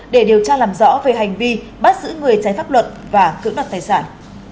để điều tra làm rõ về hành vi bắt giữ người trái pháp luật và cững đặt tài sản